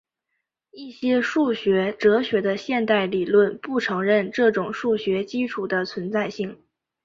一些数学哲学的现代理论不承认这种数学基础的存在性。